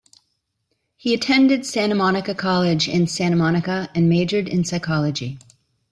He attended Santa Monica College in Santa Monica and majored in Psychology.